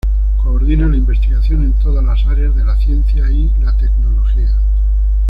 Coordina la investigación en todas las áreas de la ciencia y la tecnología.